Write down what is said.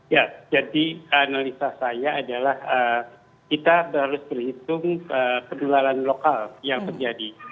ya jadi analisa saya adalah kita harus berhitung penularan lokal yang terjadi